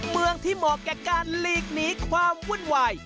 เมืองที่เหมาะแก่การหลีกหนีความวุ่นวาย